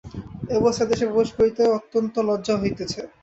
এ অবস্থার দেশে প্রবেশ করিতে অত্যন্ত লজ্জা হইতেছে।